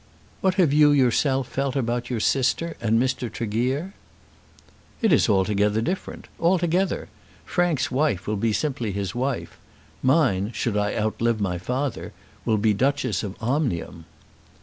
"What have you yourself felt about your sister and Mr. Tregear?" "It is altogether different; altogether. Frank's wife will be simply his wife. Mine, should I outlive my father, will be Duchess of Omnium."